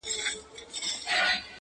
سړی چي مړسي ارمانونه يې دلېپاتهسي-